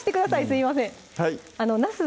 すいませんなす